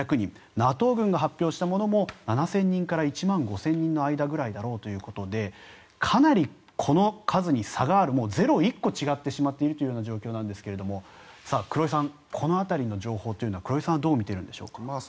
ＮＡＴＯ軍が発表したものも７０００人から１万５０００人ぐらいの間だろうということでかなりこの数に差があるゼロが１個違ってしまっているという状況ですが黒井さん、この辺りの情報は黒井さんはどう見ているのでしょうか。